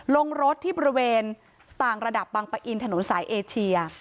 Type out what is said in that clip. ลงรถที่บริเวณต่างระดับบังปะอินถนนสายเอเชีย